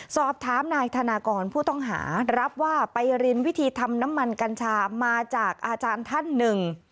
สอบถามนายธนากรผู้ต้องหารับว่าไปเรียนวิธีทำน้ำมันกัญชามาจากอาจารย์ท่านหนึ่ง